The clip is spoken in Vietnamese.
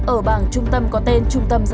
ở bảng trung tâm có tên trung tâm giáo viên